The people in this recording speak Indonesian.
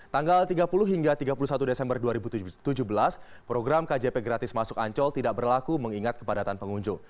tanggal tiga puluh hingga tiga puluh satu desember dua ribu tujuh belas program kjp gratis masuk ancol tidak berlaku mengingat kepadatan pengunjung